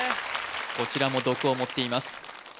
こちらも毒を持っています